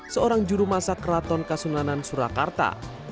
seorang juru masak keraton kasunanan surakarta